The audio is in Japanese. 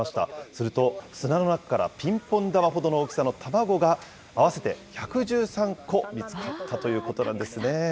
すると砂の中からピンポン玉ほどの大きさの卵が合わせて１１３個見つかったということなんですね。